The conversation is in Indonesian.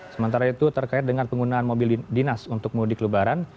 sementara itu terkait dengan penggunaan mobil dinas untuk mudik lebaran